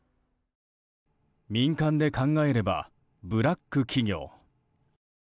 民間で考えればブラック企業。